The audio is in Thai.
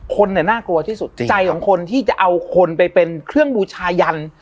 คนเนี่ยน่ากลัวที่สุดจิตใจของคนที่จะเอาคนไปเป็นเครื่องบูชายัน